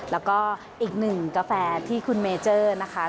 แล้วก็อีกหนึ่งกาแฟที่คุณเมเจอร์นะคะ